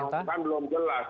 yang sedang kan belum jelas